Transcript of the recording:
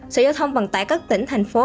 sở giao thông vận tải các tỉnh thành phố